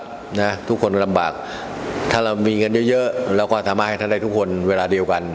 บ๊วยเยอร์วะครับทุกคนลำบากถ้าเรามีเงินเยอะเยอะเราก็สามารถให้ทั้งทั้งทุกคนเวลาเดียวกัน